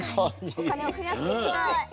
おかねをふやしていきたい。